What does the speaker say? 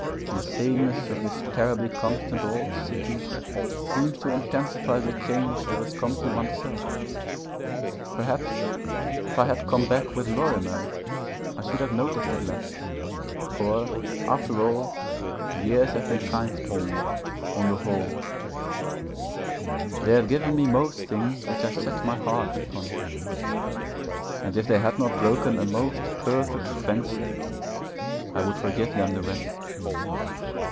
The sameness of this terribly constant old city seems to intensify the change that has come to oneself. Perhaps if I had come back with Lorimer I should have noticed it less. For, after all, the years have been kind to me, on the whole; they have given me most things which I set my heart upon, and if they had not broken a most perfect friendship, I would forgive them the rest.